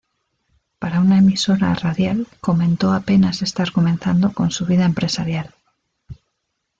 Para una emisora radial comentó apenas estar comenzando con su vida empresarial.